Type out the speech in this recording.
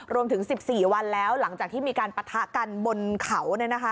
รวมถึง๑๔วันแล้วหลังจากที่มีการปะทะกันบนเขา